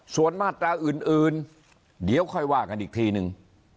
ส่วนมาตราอื่นเดี๋ยวค่อยว่ากันอีกทีนึง